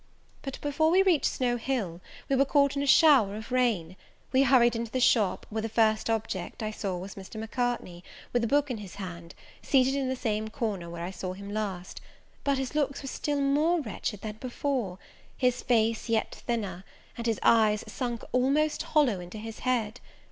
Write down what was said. But, before we reached Snow Hill, we were caught in a shower of rain: we hurried into the shop, where the first object I saw was Mr. Macartney, with a book in his hand, seated in the same corner where I saw him last; but his looks were still more wretched than before, his face yet thinner, and his eyes sunk almost hollow into his head.